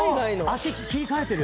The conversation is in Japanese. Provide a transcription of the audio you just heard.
脚切り替えてる。